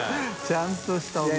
ちゃんとしたお店。